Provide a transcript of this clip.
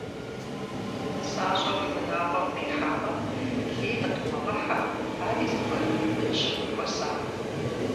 Нысащӏэ уи унагъуэм къихьамэ, лей къытумыгъыхьэ, ари зыгуэрым и бынщ, хуэсакъ.